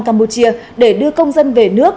campuchia để đưa công dân về nước